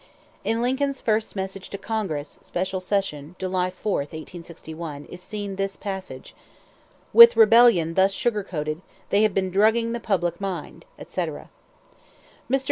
In Lincoln's first message to Congress, special session, July 4, 1861, is seen this passage: "With rebellion thus sugar coated, they have been drugging the public mind," etc. Mr.